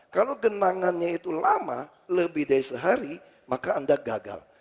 kalau genangannya itu lama lebih dari sehari maka anda gagal